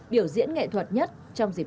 biểu diễn nghệ thuật nhất trong dịp